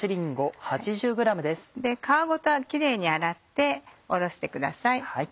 皮ごとキレイに洗っておろしてください。